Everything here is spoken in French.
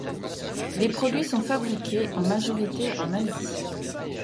Les produits sont fabriqués en majorité en Asie.